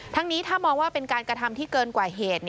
นี้ถ้ามองว่าเป็นการกระทำที่เกินกว่าเหตุ